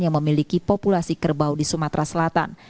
yang memiliki populasi kerbau di sumatera selatan